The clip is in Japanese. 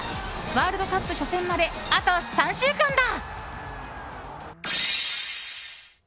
ワールドカップ初戦まであと３週間だ。